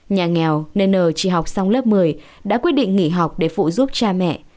nhà nghèo nên n chỉ học xong lớp một mươi đã quyết định nghỉ học để phụ giúp cha mẹ